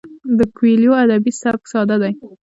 د کویلیو ادبي سبک ساده دی.